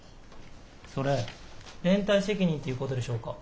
それ連帯責任っていうことでしょうか。